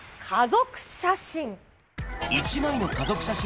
家族写真。